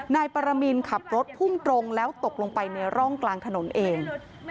นายปรมินขับรถพุ่งตรงแล้วตกลงไปในร่องกลางถนนเอง